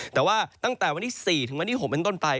แต่ว่าตั้งแต่วันที่๔๖เป็นต้นไป